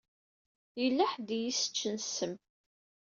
Yella ḥedd i yi-iseččen ssem.